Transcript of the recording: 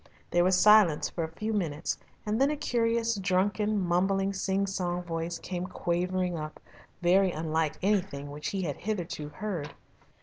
There was silence for a few minutes and then a curious drunken, mumbling sing song voice came quavering up, very unlike anything which he had heard hitherto.